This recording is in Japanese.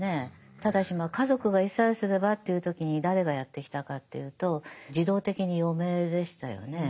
ただしまあ家族がいさえすればという時に誰がやってきたかというと自動的に嫁でしたよね。